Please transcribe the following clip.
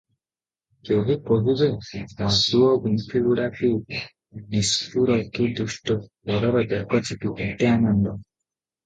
କେହି କହିବେ, କାଦୁଅଗୁମ୍ଫିଗୁଡ଼ାକ କି ନିଷ୍ଠୁର, କି ଦୁଷ୍ଟ, ପରର ବେକ ଚିପି ଏତେ ଆନନ୍ଦ!